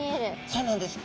そうなんです。